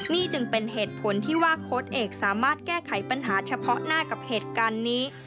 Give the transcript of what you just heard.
นี่จึงเป็นเหตุผลที่ว่าโค้ดเอกสามารถแก้ไขปัญหาเฉพาะหน้ากับเหตุการณ์นี้